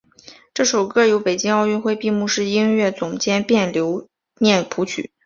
这首歌由北京奥运会闭幕式音乐总监卞留念谱曲。